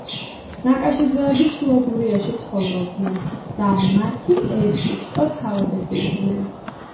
ნაკაშიძეები შუა გურიაში ცხოვრობდენ და მათი ერთი შტო თავადები იყვნენ.